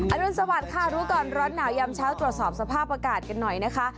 รุนสวัสดิ์ค่ะรู้ก่อนร้อนหนาวยามเช้าตรวจสอบสภาพอากาศกันหน่อยนะคะ